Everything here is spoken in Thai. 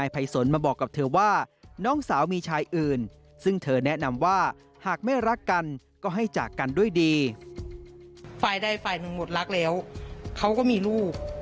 ไฟล์๑หมดรักแล้วเขาก็มีลูก